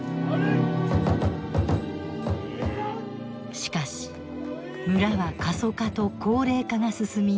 しかし村は過疎化と高齢化が進み